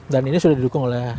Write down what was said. dan ini sudah didukung oleh